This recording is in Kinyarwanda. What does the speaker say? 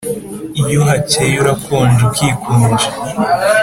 iyo hacyeye urakonja ukikunja